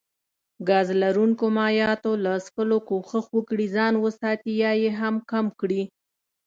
ګاز لرونکو مايعاتو له څښلو کوښښ وکړي ځان وساتي يا يي هم کم کړي